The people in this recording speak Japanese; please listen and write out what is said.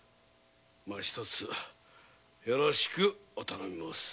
一つよろしくお頼み申す。